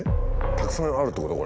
たくさんあるってこと？